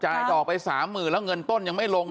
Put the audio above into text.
จ่ายดอกไป๓๐๐๐๐บาทแล้วเงินต้นยังไม่ลงเลย